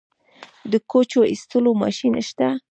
د کوچو ایستلو ماشین شته؟